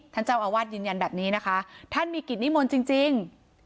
ท่านเจ้าอาวาสยืนยันแบบนี้นะคะท่านมีกิจนิมนต์จริง